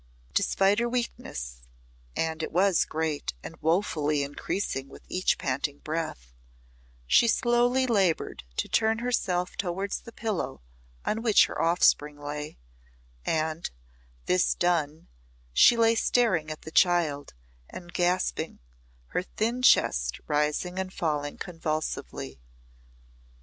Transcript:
Despite her weakness, and it was great and woefully increasing with each panting breath, she slowly laboured to turn herself towards the pillow on which her offspring lay, and, this done, she lay staring at the child and gasping, her thin chest rising and falling convulsively.